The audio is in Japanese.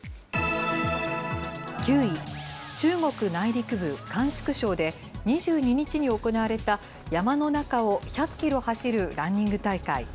９位、中国内陸部甘粛省で、２２日に行われた山の中を１００キロ走るランニング大会。